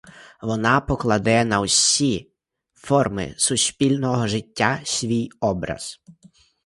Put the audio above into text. Вона покладе на всі форми суспільного життя свій образ.